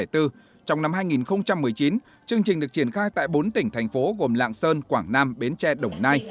trong năm hai nghìn một mươi chín chương trình được triển khai tại bốn tỉnh thành phố gồm lạng sơn quảng nam bến tre đồng nai